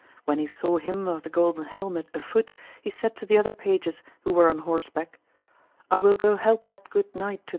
When he saw him of the golden helmet afoot he said to the other pages who were on horseback, I will go help that good knight to AMADIS OF GAUL.